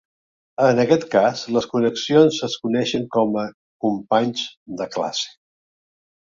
En aquest cas, les connexions es coneixen com a "companys de classe".